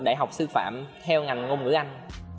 đại học sư phạm theo ngành ngôn ngữ anh